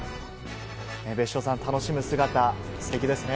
別所さん、楽しむ姿ステキですね。